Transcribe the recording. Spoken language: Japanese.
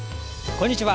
こんにちは。